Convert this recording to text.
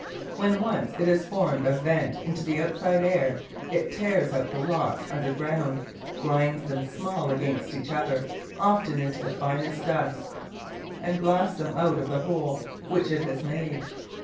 When once it has forced a vent into the outside air, it tears out the rocks underground, grinds them small against each other, often into the finest dust, and blasts them out of the hole which it has made.